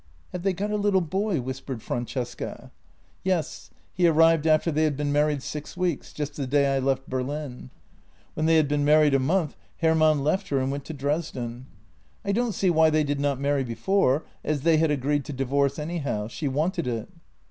" Have they got a little boy? " whispered Francesca. " Yes; he arrived after they had been married six weeks, just the day I left Berlin. When they had been married a month Hermann left her and went to Dresden. I don't see why they did not marry before, as they had agreed to divorce any how. She wanted it."